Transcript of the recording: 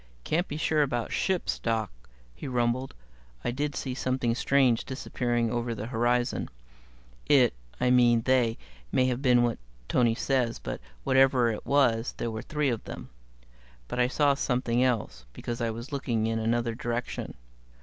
"Can't be sure about ships, Doc," he rumbled. "I did see something strange disappearing over the horizon. It I mean they might have been what Tony says; but whatever it was, there were three of them. But I saw something else, because I was looking in another direction.